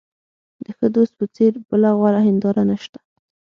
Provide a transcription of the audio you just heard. د ښه دوست په څېر بله غوره هنداره نشته.